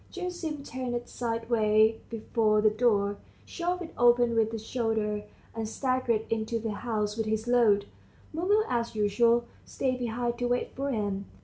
Gerasim turned sideways before the door, shoved it open with his shoulder, and staggered into the house with his load. Mumu, as usual, stayed behind to wait for him.